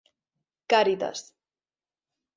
Càritas.